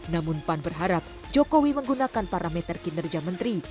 namun pan berharap jokowi menggunakan parameter kinerja menteri